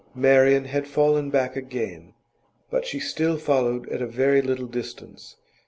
Marian had fallen back again, but she still followed at a very little distance.